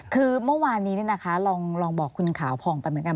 คือเมื่อวานนี้ลองบอกคุณขาวผ่องไปเหมือนกัน